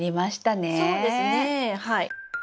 そうですねえはい。